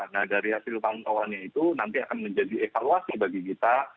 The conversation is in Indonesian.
nah dari hasil pantauannya itu nanti akan menjadi evaluasi bagi kita